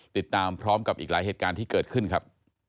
ติดตามพร้อมกับอีกหลายเหตุการณ์ที่เกิดขึ้นครับ